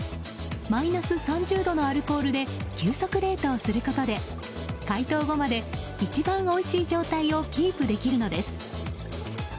マイナス３０度のアルコールで急速冷凍することで解凍後まで一番おいしい状態をキープできるのです。